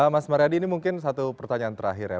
mas mariadi ini mungkin satu pertanyaan terakhir ya